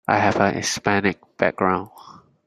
I have a Hispanic background